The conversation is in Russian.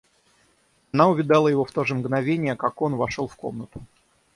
Она увидала его в то же мгновение, как он вошел в комнату.